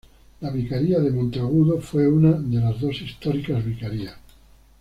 La Vicaría de Monteagudo fue una de las dos históricas Vicarías.